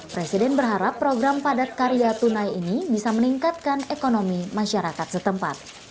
presiden berharap program padat karya tunai ini bisa meningkatkan ekonomi masyarakat setempat